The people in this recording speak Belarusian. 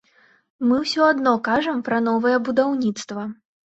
Мы ўсё адно кажам пра новае будаўніцтва.